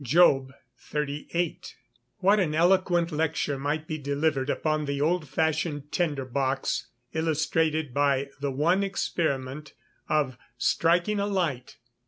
JOB XXXVIII.] What an eloquent lecture might be delivered upon the old fashioned tinder box, illustrated by the one experiment of "striking a light."